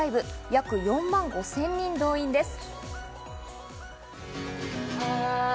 約４万５０００人動員です。